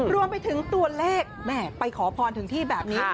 รวมไปถึงตัวเลขแม่ไปขอพรถึงที่แบบนี้